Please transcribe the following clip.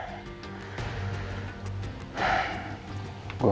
gue harus ke rumah elsa